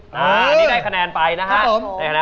อันนี้ได้คะแนนไปนะฮะครับผม